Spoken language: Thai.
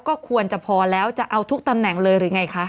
ก็ควรจะพอแล้วจะเอาทุกตำแหน่งเลยหรือไงคะ